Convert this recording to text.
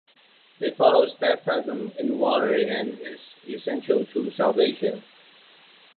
It follows baptism in water and is essential to salvation.